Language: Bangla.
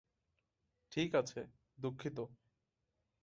ঠিক আছে, দুঃখিত।